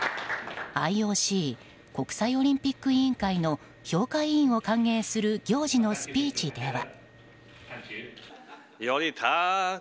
ＩＯＣ・国際オリンピック委員会の評価委員を歓迎する行事のスピーチでは。